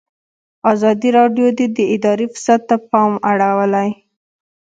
ازادي راډیو د اداري فساد ته پام اړولی.